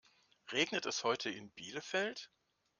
Regnet es heute in Bielefeld?